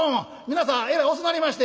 皆さんえらい遅なりまして」。